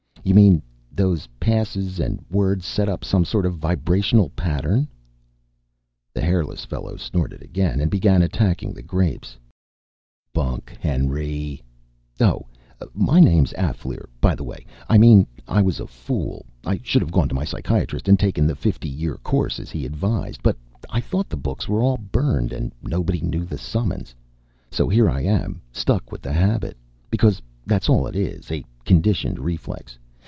"You mean those passes and words set up some sort of vibrational pattern...." The hairless fellow snorted again, and began attacking the grapes. "Bunk, Henry! Oh, my name's Alféar, by the way. I mean I was a fool. I should have gone to my psychiatrist and taken the fifty year course, as he advised. But I thought the books were all burned and nobody knew the summons. So here I am, stuck with the habit. Because that's all it is a conditioned reflex.